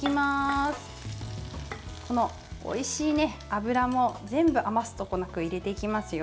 おいしい油も全部余すことなく入れていきますよ。